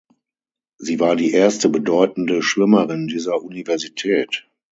Sie war die erste bedeutende Schwimmerin dieser Universität.